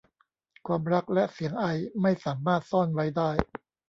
ความรักและเสียงไอ ไม่สามารถซ่อนไว้ได้